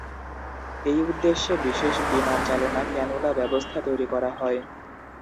এই উদ্দেশ্যে বিশেষ বিমানচালনা ক্যানুলা ব্যবস্থা তৈরি করা হয়।